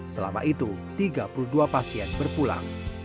selama itu tiga puluh dua pasien berpulang